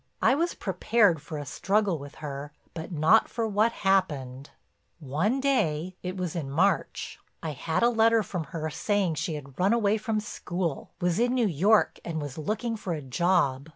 I was prepared for a struggle with her, but not for what happened. "One day—it was in March—I had a letter from her saying she had run away from school, was in New York and was looking for a job.